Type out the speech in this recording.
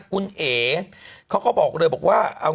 คุณเอ๋เขาก็บอกเลยบอกว่า